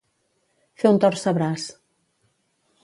Fer un torcebraç.